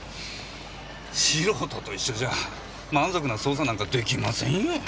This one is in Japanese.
素人と一緒じゃあ満足な捜査なんか出来ませんよ。